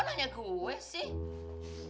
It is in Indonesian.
nanya gue sih